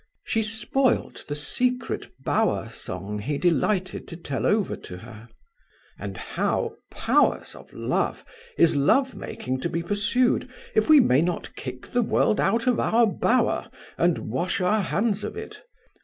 She spoilt the secret bower song he delighted to tell over to her. And how, Powers of Love! is love making to be pursued if we may not kick the world out of our bower and wash our hands of it?